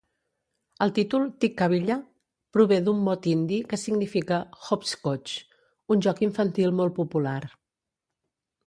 El títol "Tikkabilla" prové d'un mot hindi que significa "Hopscotch", un joc infantil molt popular.